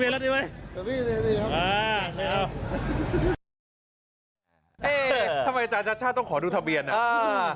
เอ๊ยทำไมอาจารย์ชาชาต้องขอดูทะเบียนอ่ะ